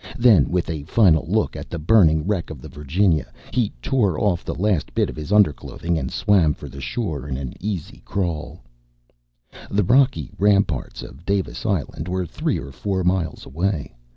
Then, with a final look at the burning wreck of the Virginia, he tore off the last bit of his underclothing and swam for the shore in an easy crawl. The rocky ramparts of Davis Island were three or four miles away.